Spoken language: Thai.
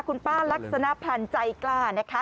คุณป้าลักษณะพันธ์ใจกล้านะคะ